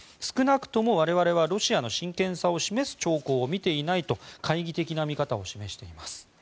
少なくとも我々はロシアの真剣さを示す兆候を見ていないと懐疑的な見方を示しています。